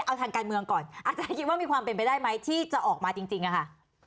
เอาทางการเมืองก่อนอาจารย์คิดว่ามีความเป็นไปได้ไหมที่จะออกมาจริงอะค่ะ